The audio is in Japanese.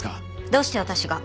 どうして私が？